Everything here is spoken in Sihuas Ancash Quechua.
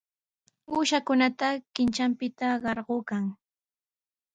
Uushakunata qintranpita qarquykan.